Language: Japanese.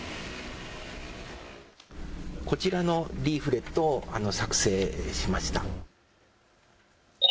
こちらのリーフレットを作成しました。